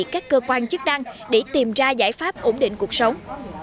các cơ quan chức năng để tìm ra giải pháp ổn định cuộc sống